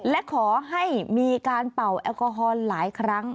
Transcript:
และขอให้มีการเป่าแอลกอฮอลหลายครั้ง